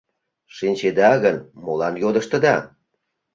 Шинчеда гын, молан йодыштыда?